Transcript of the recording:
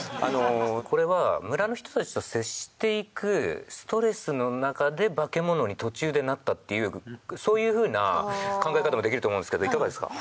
これは村の人たちと接していくストレスの中でバケモノに途中でなったっていうそういう風な考え方もできると思うんですけどいかがですか？